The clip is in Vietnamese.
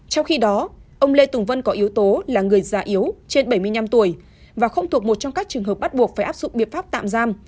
trong khi đó ông lê tùng vân có yếu tố là người già yếu trên bảy mươi năm tuổi và không thuộc một trong các trường hợp bắt buộc phải áp dụng biện pháp tạm giam